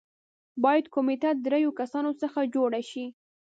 باید کمېټه د دریو کسانو څخه جوړه شي.